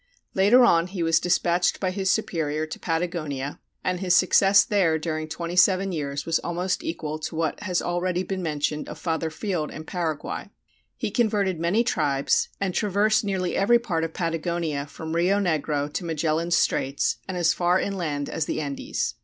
Later on he was despatched by his superior to Patagonia, and his success there during 27 years was almost equal to what has already been mentioned of Father Field in Paraguay. He converted many tribes, and traversed nearly every part of Patagonia from Rio Negro to Magellan's Straits, and as far inland as the Andes.